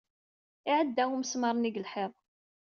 Iɛedda umesmaṛ-nni deg lḥiḍ.